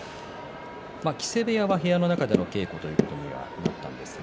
木瀬部屋は部屋の中での稽古ということになったんですが